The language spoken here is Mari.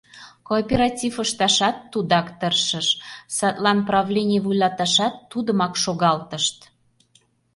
Кооператив ышташат тудак тыршыш, садлан правлений вуйлаташат тудымак шогалтышт.